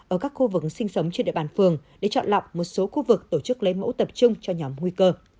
ở các khu vực sinh sống trên địa bàn phường để chọn lọc một số khu vực tổ chức lấy mẫu tập trung cho nhóm nguy cơ